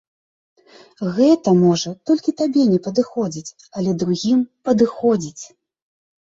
Гэта, можа, толькі табе не падыходзіць, але другім падыходзіць!